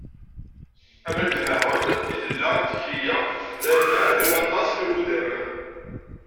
Am wakken daɣen, i tella tikli-a d annar i waṭas n yiwudam.